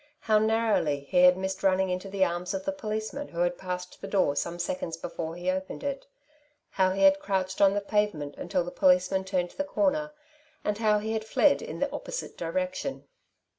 How narrowly he had missed running into the arms of the policeman who had passed the door some seconds before he opened it. How he had crouched on the pavement until the policeman turned the corner, and how he had fled in the opposite direction.